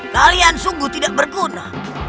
kalian sungguh tidak berguna